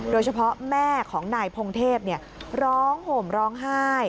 โดยเฉพาะแม่ของนายพงเทพร้องห่มร้องไห้